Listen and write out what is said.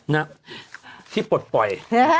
นะที่ปลดปล่อย